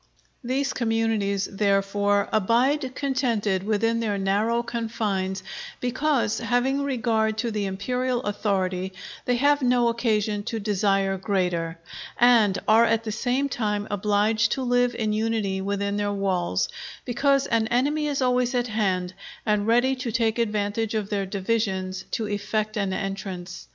These communities, therefore, abide contented within their narrow confines, because, having regard to the Imperial authority, they have no occasion to desire greater; and are at the same time obliged to live in unity within their walls, because an enemy is always at hand, and ready to take advantage of their divisions to effect an entrance.